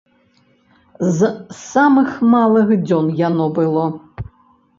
З самых малых дзён яно было!